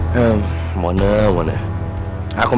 jadi aku minta goats